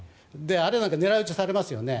あれなんか狙い撃ちされますよね。